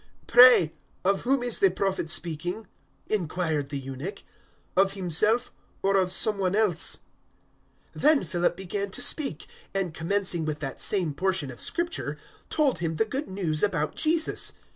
008:034 "Pray, of whom is the Prophet speaking?" inquired the eunuch; "of himself or of some one else?" 008:035 Then Philip began to speak, and, commencing with that same portion of Scripture, told him the Good News about Jesus.